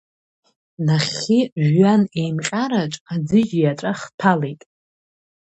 Нахьхьи, жәҩан еимҟьараҿ, аӡыжь иаҵәа хҭәалеит.